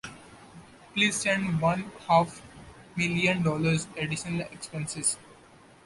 Please send one-half million dollars additional expenses.